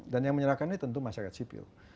dan yang diserahkan ini tentu masyarakat sipil